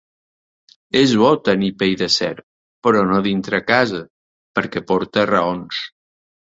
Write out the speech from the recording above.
És bo tenir pell de serp, però no dintre casa, perquè porta raons.